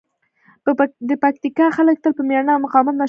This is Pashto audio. د پکتیکا خلک تل په مېړانې او مقاومت مشهور دي.